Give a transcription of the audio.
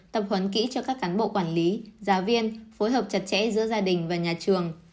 tập huấn kỹ cho các cán bộ quản lý giáo viên phối hợp chặt chẽ giữa gia đình và nhà trường